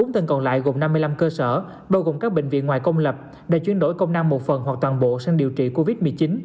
bốn tầng còn lại gồm năm mươi năm cơ sở bao gồm các bệnh viện ngoài công lập đã chuyển đổi công năng một phần hoặc toàn bộ sang điều trị covid một mươi chín